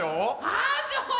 ああそう！